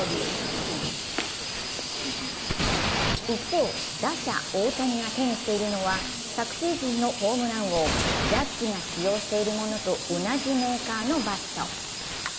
一方、打者・大谷が手にしているのは昨シーズンのホームラン王ジャッジが使用しているものと同じメーカーのバット。